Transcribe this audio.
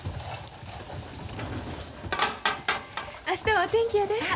明日はお天気やで。